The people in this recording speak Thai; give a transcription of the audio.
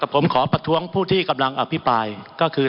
มันมีมาต่อเนื่องมีเหตุการณ์ที่ไม่เคยเกิดขึ้น